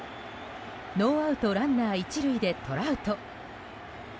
ノーアウトランナー１塁でトラウト。